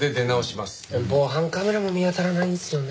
防犯カメラも見当たらないんすよね。